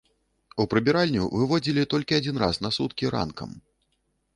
У прыбіральню выводзілі толькі адзін раз на суткі ранкам.